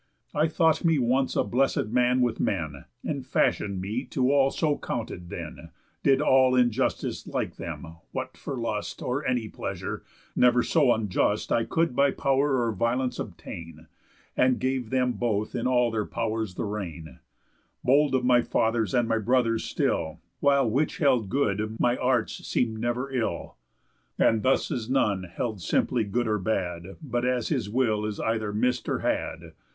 _ I thought me once a blesséd man with men. And fashion'd me to all so counted then, Did all injustice like them, what for lust, Or any pleasure, never so unjust I could by pow'r or violence obtain, And gave them both in all their pow'rs the rein, Bold of my fathers and my brothers still; While which held good my arts seem'd never ill. And thus is none held simply good or bad, But as his will is either miss'd or had.